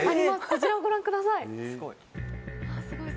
こちらをご覧ください。